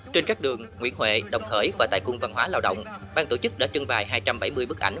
trên các đường nguyễn huệ đồng khởi và tại cung văn hóa lao động bang tổ chức đã trưng bài hai trăm bảy mươi bức ảnh